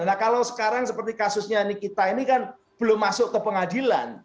nah kalau sekarang seperti kasusnya nikita ini kan belum masuk ke pengadilan